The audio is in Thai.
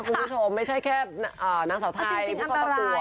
คุณผู้ชมไม่ใช่แค่อ่านางเสาไทยจริงจริงอันตรายน่ะอืม